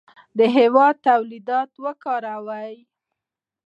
د هېواد تولیدات وکاروئ.